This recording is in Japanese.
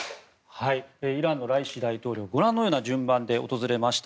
イランのライシ大統領はご覧のような順番で訪れました。